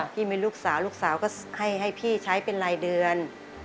พี่มีลูกสาวลูกสาวก็ให้พี่ใช้เป็นรายเดือน